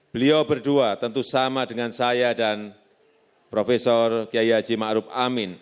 beliau berdua tentu sama dengan saya dan prof kiai haji ma'ruf amin